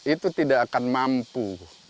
itu tidak akan mampu